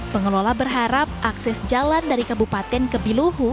pengelola berharap akses jalan dari kabupaten ke biluhu